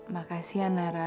makasih ya nara